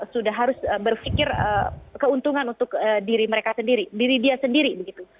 sudah harus berpikir keuntungan untuk diri mereka sendiri diri dia sendiri begitu